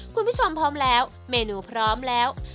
คุณผู้ชมพร้อมแล้วเมนูพร้อมแล้ว